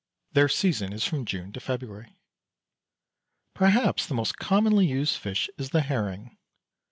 Their season is from June to February. Perhaps the most commonly used fish is the herring.